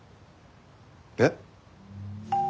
えっ？